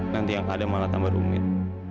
nanti yang ada malah tambah rumit